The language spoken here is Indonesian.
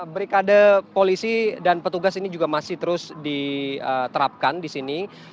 brikade polisi dan petugas ini juga masih terus diterapkan di sini